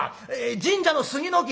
「神社の杉の木」。